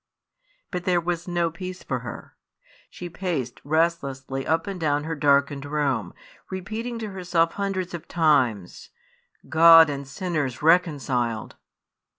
But there was no peace for her. She paced restlessly up and down her darkened room, repeating to herself hundreds of times, "God and sinners reconciled!"